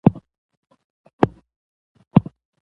ډيپلوماسي د نړیوالو اړیکو د ودي لپاره حیاتي ده.